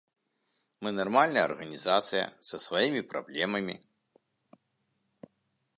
Мы нармальная арганізацыя, са сваімі праблемамі.